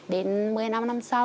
đến một mươi năm năm sau